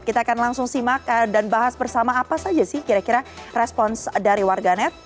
kita akan langsung simak dan bahas bersama apa saja sih kira kira respons dari warganet